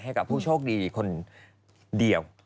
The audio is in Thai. ให้กับผู้โชคดีคนเดียว